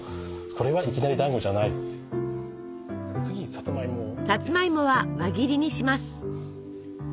さつまいもは輪切りにします。